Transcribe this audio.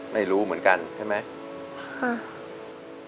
ไม่รู้เหมือนกันใช่ไหม